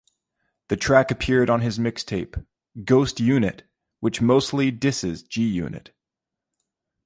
The track appeared on his mixtape "Ghost Unit", which mostly disses G-Unit.